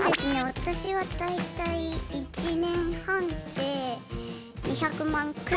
私は大体１年半で２００万くらい。